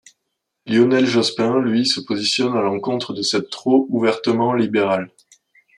Lionel Jospin, lui se positionne à l'encontre de cette trop ouvertement libérale.